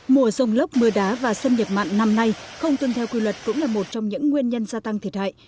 mùa rông lốc mưa đá và xâm nhập mặn năm nay không tuân theo quy luật cũng là một trong những nguyên nhân gia tăng thiệt hại